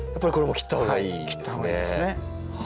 切った方がいいですね。